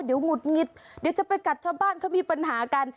เดี๋ยวหงุดหงิดเดี๋ยวจะไปกัดชาวบ้านเขามีปัญหากัน